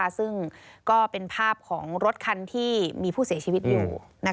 ซึ่งก็เป็นภาพของรถคันที่มีผู้เสียชีวิตอยู่